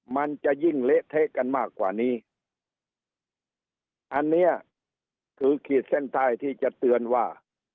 มันจะยิ่งเละเทะกันมากกว่านี้อันเนี้ยคือขีดเส้นใต้ที่จะเตือนว่า